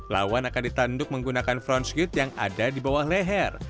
lawan akan ditanduk menggunakan front skit yang ada di bawah leher